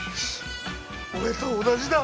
俺と同じだ。